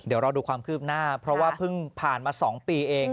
เดี๋ยวรอดูความคืบหน้าเพราะว่าเพิ่งผ่านมา๒ปีเอง